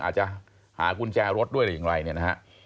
อาจจะหากุญแจรถด้วยหรืออย่างไรเนี่ยนะฮะ